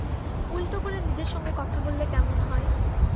উলটো করে নিজের সঙ্গে কথা বললে কেমন হয়?